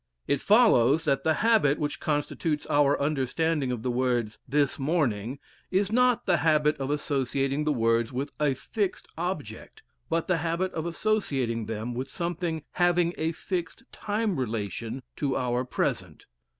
It follows that the habit which constitutes our understanding of the words "this morning" is not the habit of associating the words with a fixed object, but the habit of associating them with something having a fixed time relation to our present.